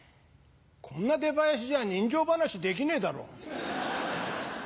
こんな出囃子じゃ人情噺できねえだろ。